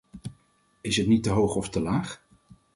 Is het niet te hoog of te laag?